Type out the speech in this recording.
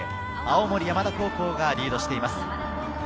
青森山田高校がリードしています。